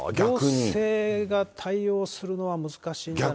行政が対応するのは難しいんじゃないですか。